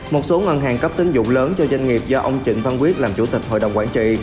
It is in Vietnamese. một số ngân hàng cấp tín dụng lớn cho doanh nghiệp do ông trịnh văn quyết làm chủ tịch hội đồng quản trị